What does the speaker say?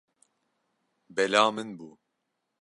Bela min bû.